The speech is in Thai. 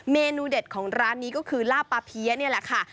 เมนูเด็ดของร้านนี้ก็คือลาบปลาเพี้ยนี่แหละค่ะ